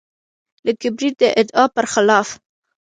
د کبریت د ادعا برخلاف.